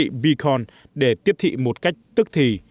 đây là thiết bị beacon để tiếp thị một cách tức thì